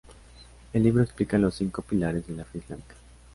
El libro explica los cinco pilares de la fe islámica.